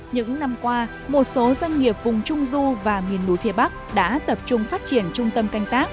những năm qua một số doanh nghiệp vùng trung du và miền núi phía bắc đã tập trung phát triển trung tâm canh tác